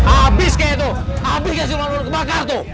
abis kayak itu abis kasih ular ulur kebakar itu